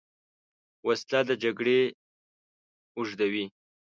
وسله د جګړې اوږدوې